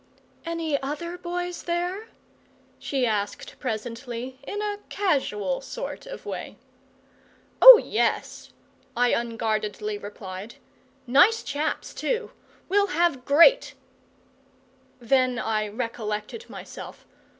"Any other boys there?" she asked presently, in a casual sort of way. "Oh yes," I unguardedly replied. "Nice chaps, too. We'll have great " Then I recollected myself.